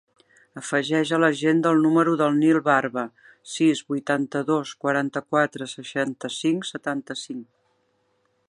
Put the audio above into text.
Afegeix a l'agenda el número del Nil Barba: sis, vuitanta-dos, quaranta-quatre, seixanta-cinc, setanta-cinc.